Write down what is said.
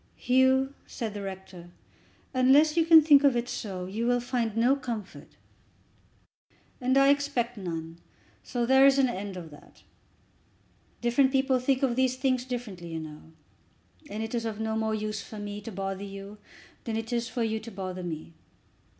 "Hugh," said the rector, "unless you can think of it so, you will find no comfort." "And I expect none, so there is an end of that. Different people think of these things differently, you know, and it is of no more use for me to bother you than it is for you to bother me.